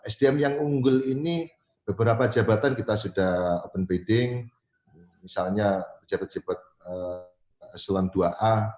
sdm yang unggul ini beberapa jabatan kita sudah open bidding misalnya pejabat pejabat eselon dua a